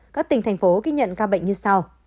các tỉnh thành phố ghi nhận ca bệnh như sau